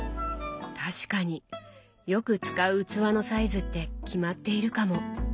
確かによく使う器のサイズって決まっているかも。